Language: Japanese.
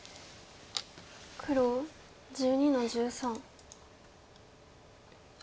黒１２の十三。